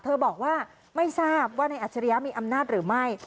บอกว่าไม่ทราบว่าในอัจฉริยะมีอำนาจหรือไม่